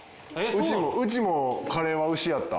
うちもカレーは牛やった。